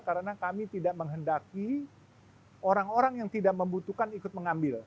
karena kami tidak menghendaki orang orang yang tidak membutuhkan ikut mengambil